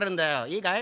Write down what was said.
いいかい？